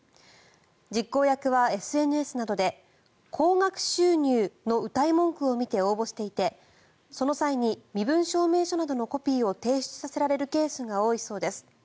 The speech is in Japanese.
実行役はＳＮＳなどで高額収入のうたい文句を見て応募していてその際に身分証明書などのコピーを提出させられるケースが多いそうです。